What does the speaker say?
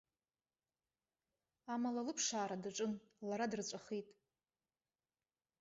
Амала лыԥшаара даҿын, лара дырҵәахит.